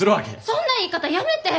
そんな言い方やめて！